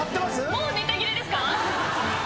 もうネタ切れですか？